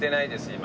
今。